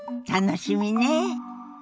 楽しみね。